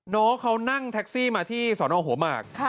น้องเขานั่งแท็กซี่มาที่สอนอหัวหมาก